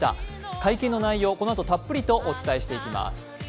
会見の内容、このあと、たっぷりとお伝えしてまいります。